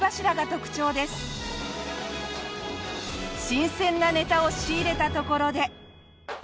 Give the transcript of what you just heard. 新鮮なネタを仕入れたところで。